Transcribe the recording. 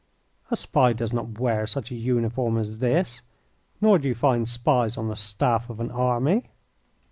"A spy does not wear such a uniform as this, nor do you find spies on the staff of an army.